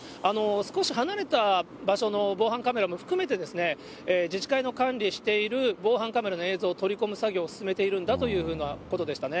少し離れた場所の防犯カメラも含めて、自治会の管理している防犯カメラの映像を取り込む作業を進めているんだというようなことでしたね。